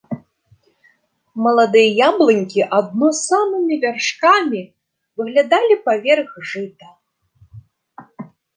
Маладыя яблынькі адно самымі вяршкамі выглядалі паверх жыта.